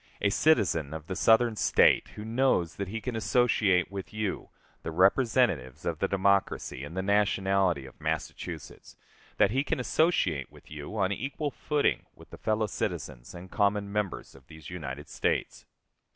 A citizen of a Southern State who knows that he can associate with you, the representatives of the Democracy and the nationality of Massachusetts, that he can associate with you on equal footing with the fellow citizens and common members of these United States.